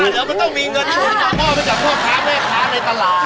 ก็มันต้องมีเงินทุนไปมอบให้จับพวกค้าแม่ค้าในตลาด